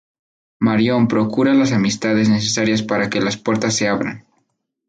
Marion procura las amistades necesarias para que las puertas se abran.